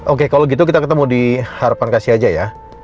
oke kalau gitu kita ketemu di harapan kasih aja ya